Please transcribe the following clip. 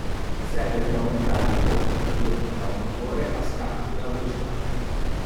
Serve per aumentare la coppia prodotta da un motore a scapito della velocità.